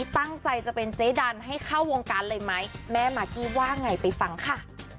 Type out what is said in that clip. ไปชั้นหนึ่งไปชั้นสองนะคะอ